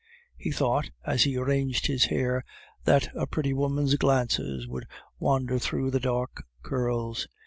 He thought, as he arranged his hair, that a pretty woman's glances would wander through the dark curls.